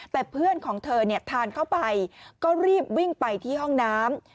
แต่เพื่อนของเธอทานเข้าไปก็รีบวิ่งไปที่ห้องน้ำ